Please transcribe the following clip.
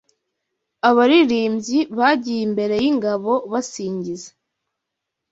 Abaririmbyi bagiye imbere y’ingabo basingiza